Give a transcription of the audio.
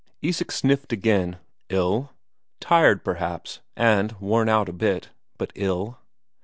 Isak sniffed again. Ill? Tired, perhaps, and worn out a bit, but ill?